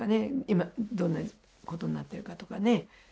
今どんなことになってるかとかね。